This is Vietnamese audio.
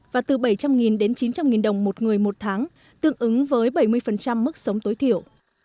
và từ bảy trăm linh đến chín trăm linh đồng một người một tháng tương ứng với bảy mươi mức sống tối thiểu